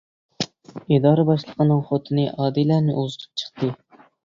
ئىدارە باشلىقىنىڭ خوتۇنى ئادىلەنى ئۇزىتىپ چىقتى.